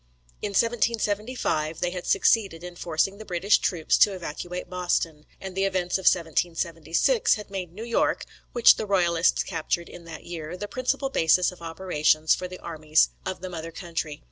In 1775, they had succeeded in forcing the British troops to evacuate Boston; and the events of 1776 had made New York (which the royalists captured in that year) the principal basis of operations for the armies of the mother country.